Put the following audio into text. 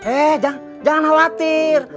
eh jangan khawatir